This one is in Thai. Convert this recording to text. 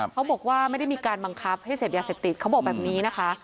เขาบอกว่าไม่ได้มีการบังคับให้เสพยาเสพติดเขาบอกแบบนี้นะคะ